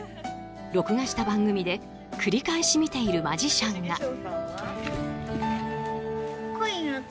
録画した番組で繰り返し見ているマジシャンが。